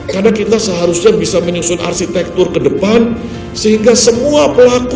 karena kita seharusnya bisa menyusun arsitektur ke depan sehingga semua pelaku bisa mengembangkan dirinya